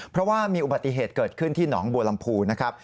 เพราะว่ามีอุบัติเหตุเกิดขึ้นที่หนองบัวลำพูนะครับ